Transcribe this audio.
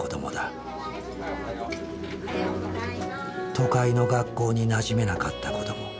都会の学校になじめなかった子ども。